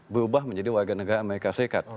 berubah menjadi warga negara as